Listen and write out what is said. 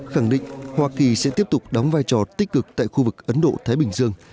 khẳng định hoa kỳ sẽ tiếp tục đóng vai trò tích cực tại khu vực ấn độ thái bình dương